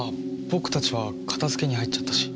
僕たちは片付けに入っちゃったし。